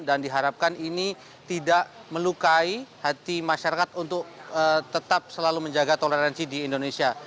dan diharapkan ini tidak melukai hati masyarakat untuk tetap selalu menjaga toleransi di indonesia